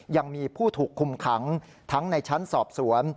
ยังมีผู้ถูกคุมขังทั้งในชั้นสอบสวน